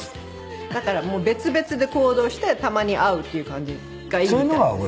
だからもう別々で行動してたまに会うっていう感じがいいみたいです。